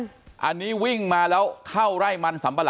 ก็อันนี้หลายสมมุติร่ายหมันสำปร่าง